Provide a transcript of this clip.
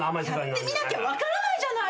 やってみなきゃ分からないじゃないの！